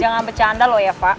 jangan bercanda loh ya pak